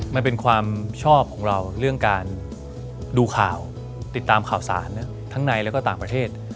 มันเป็นความชอบของเราเรื่องการดูข่าวติดตามข่าวสารทั้งในแล้วก็ต่างประเทศ